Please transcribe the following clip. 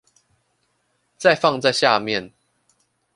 再放在下面